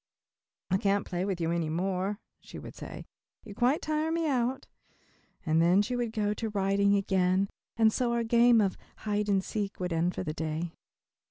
"I can't play with you any more," she would say, "you quite tire me out," and then she would go to writing again and so our game of "hide and seek" would end for that day.